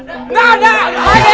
tidak ada apa apa